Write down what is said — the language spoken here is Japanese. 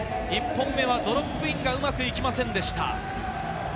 １本目はドロップインがうまくいきませんでした。